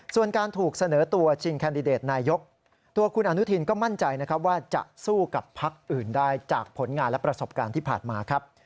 ส่วนการถูกเสนอตัวชิงแคนดิเดตนายกตัวคุณอนุทินก็มั่นใจนะครับว่าจะสู้กับพักอื่นได้จากผลงานและประสบการณ์ที่ผ่านมาครับ